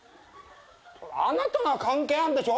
あなたが関係あんでしょ？